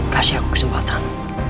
kasih aku kesempatan